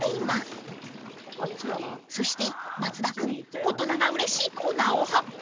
［そして松田君大人がうれしいコーナーを発見］